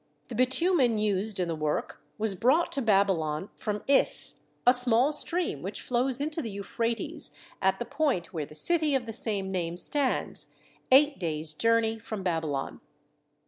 The bitumen used in the work was brought to Babylon from Is, a small stream which flows into the Euphrates at the point where the city of the same name stands, eight days' journey from Babylon.